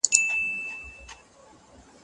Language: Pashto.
همدا اوس په لومړي لینک کلیک وکړئ.